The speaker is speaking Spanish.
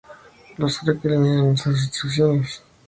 Los "crack" eliminan esas restricciones.